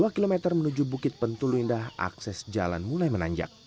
dua km menuju bukit pentulu indah akses jalan mulai menanjak